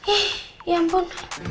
ih ya ampun